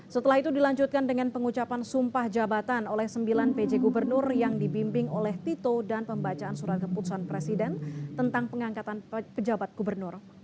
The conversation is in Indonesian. setelah itu dilanjutkan dengan pengucapan sumpah jabatan oleh sembilan pj gubernur yang dibimbing oleh tito dan pembacaan surat keputusan presiden tentang pengangkatan pejabat gubernur